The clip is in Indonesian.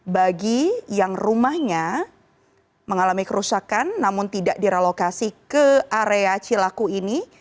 bagi yang rumahnya mengalami kerusakan namun tidak direlokasi ke area cilaku ini